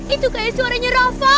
itu kayak suaranya rafa